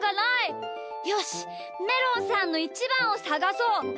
よしめろんさんのイチバンをさがそう！